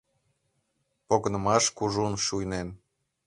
Погынымаш кужун шуйнен.